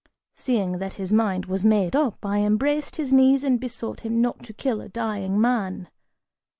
Seeing that his mind was made up, I embraced his knees and besought him not to kill a dying man.